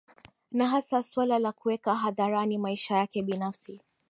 Na hasa suala la kuweka hadharani maisha yake binafsi